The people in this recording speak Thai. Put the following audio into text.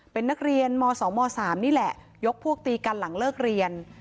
เป็นนักเรียนม๒ม๓นี่แหละยกพวกตีกันหลังเลิกเรียน